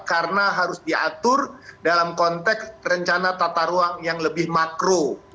karena harus diatur dalam konteks rencana tata ruang yang lebih makro